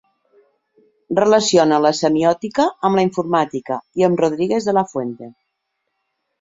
Relaciona la Semiòtica amb la Informàtica i amb Rodríguez de la Fuente.